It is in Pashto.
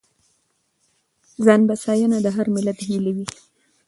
ځانبسیاینه د هر ملت هیله وي.